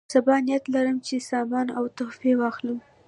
صبا نیت لرم چې سامان او تحفې واخلم.